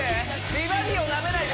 「美バディ」をなめないで！